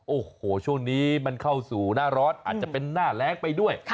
โอ้โหช่วงนี้มันเข้าสู่หน้าร้อนอาจจะเป็นหน้าแรงไปด้วย